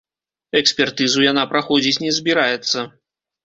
Экспертызу яна праходзіць не збіраецца.